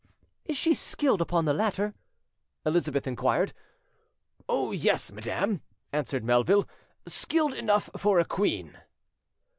"Is she skilled upon the latter?" Elizabeth inquired. "Oh yes, madam," answered Melville; "skilled enough for a queen."